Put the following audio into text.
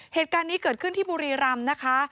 เหตุการณ์นี้เกิดขึ้นที่บุรีรำนะคะ